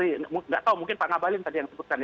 tidak tahu mungkin pak ngabalin tadi yang sebutkan